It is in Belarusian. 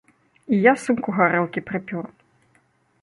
І я сумку гарэлкі прыпёр.